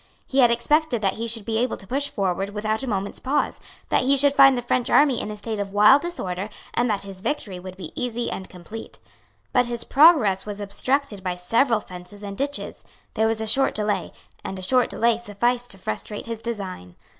He had expected that he should be able to push forward without a moment's pause, that he should find the French army in a state of wild disorder, and that his victory would be easy and complete. But his progress was obstructed by several fences and ditches; there was a short delay; and a short delay sufficed to frustrate his design.